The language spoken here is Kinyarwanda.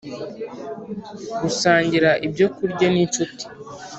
Gusangira ibyo kurya n inshuti